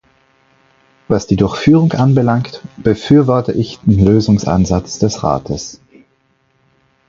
Was die Durchführung anbelangt, befürworte ich den Lösungsansatz des Rates.